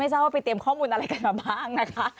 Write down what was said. ทราบว่าไปเตรียมข้อมูลอะไรกันมาบ้างนะคะ